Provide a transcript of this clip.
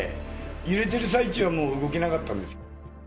揺れてる最中はもう、動けなかったんです。